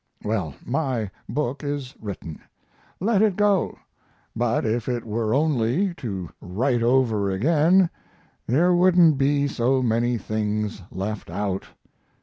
Well, my book is written let it go, but if it were only to write over again there wouldn't be so many things left out.